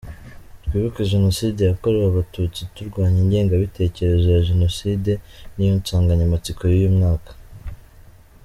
Twibuke Jenoside yakorewe Abatutsi, turwanya ingengabitekerezo ya Jenoside’, niyo nsanganyamatsiko y’uyu mwaka.